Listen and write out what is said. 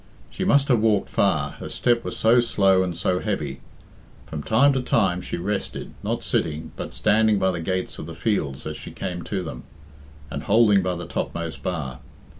She must have walked far, her step was so slow and so heavy. From time to time she rested, not sitting, but standing by the gates of the fields as she came to them, and holding by the topmost bar.